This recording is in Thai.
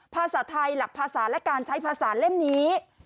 ภาษาไทยหลักภาษาและการใช้ภาษาเล่มนี้